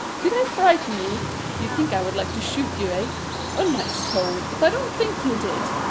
X. Did I frighten you? Do you think I would like to shoot you, eh? On my soul, if I don't think you did!